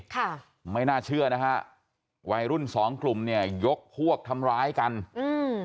ค่ะไม่น่าเชื่อนะฮะวัยรุ่นสองกลุ่มเนี้ยยกพวกทำร้ายกันอืม